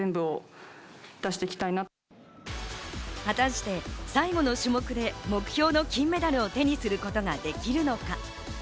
果たして最後の種目で目標の金メダルを手にすることができるのか。